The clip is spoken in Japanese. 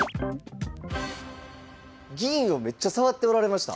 銀をめっちゃ触っておられました。